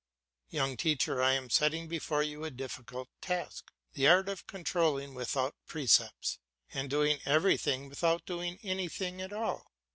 Young teacher, I am setting before you a difficult task, the art of controlling without precepts, and doing everything without doing anything at all.